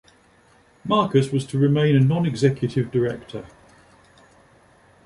Marcus was to remain a non-executive director.